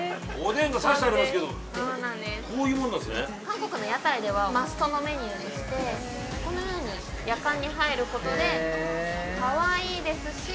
◆韓国の屋台ではマストのメニューでしてこのように、やかんに入ることでかわいいですし。